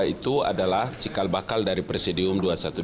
dua ratus dua belas itu adalah cikal bakal dari presidium dua ratus dua belas